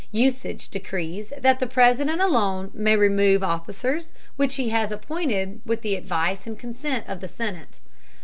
Usage decrees that the President alone may remove officers which he has appointed with the advice and consent of the Senate.